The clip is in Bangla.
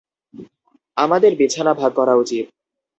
আমাদের বিছানা ভাগ করা উচিত।